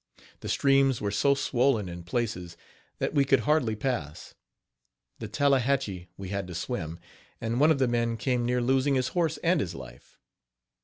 The streams were so swollen in places that we could hardly pass. The Tallehatchie we had to swim, and one of the men came near losing his horse and his life.